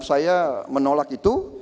saya menolak itu